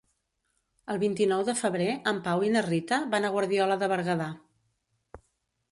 El vint-i-nou de febrer en Pau i na Rita van a Guardiola de Berguedà.